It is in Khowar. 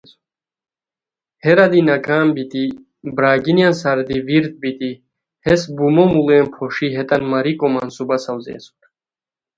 ہیرا دی ناکام بیتی برارگینیان سار دی ویرد بیتی ہیس بومو موڑین پھوݰی ہیتان ماریکو منصوبہ ساؤزئے اسور